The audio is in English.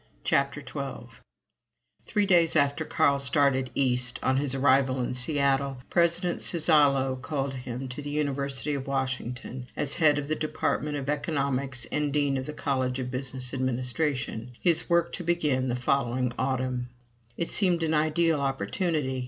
CHAPTER XII Three days after Carl started east, on his arrival in Seattle, President Suzzallo called him to the University of Washington as Head of the Department of Economics and Dean of the College of Business Administration, his work to begin the following autumn. It seemed an ideal opportunity.